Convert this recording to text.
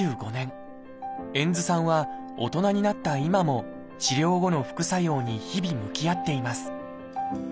遠津さんは大人になった今も治療後の副作用に日々向き合っています。